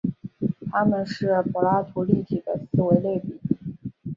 它们是柏拉图立体的四维类比。